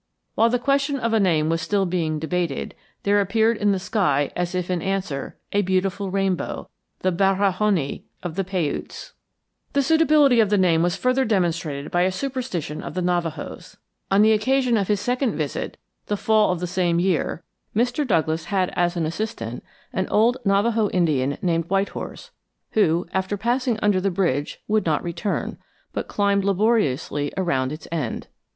While the question of a name was still being debated, there appeared in the sky, as if in answer, a beautiful rainbow, the 'Barahoni' of the Paiutes. "The suitability of the name was further demonstrated by a superstition of the Navajos. On the occasion of his second visit, the fall of the same year, Mr. Douglass had as an assistant an old Navajo Indian named White Horse, who, after passing under the bridge, would not return, but climbed laboriously around its end.